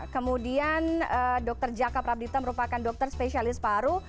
kemudian dr jaka prabditta merupakan dokter spesialis paru